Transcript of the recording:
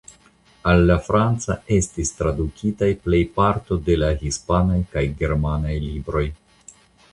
Al la franca estis tradukitaj plej parto de la hispanaj kaj germanaj libroj.